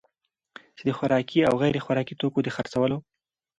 چي د خوراکي او غیر خوراکي توکو دخرڅولو